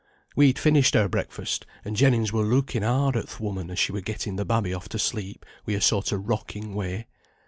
We'd finished our breakfast, and Jennings were looking hard at th' woman as she were getting the babby to sleep wi' a sort of rocking way.